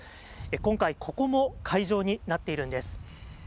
今回、ここも会場になっているんです。